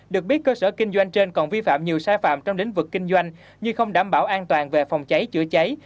được biết cơ sở kinh doanh trên còn vi phạm nhiều sai phạm trong lĩnh vực kinh doanh nhưng không đảm bảo an toàn về phòng cháy chữa cháy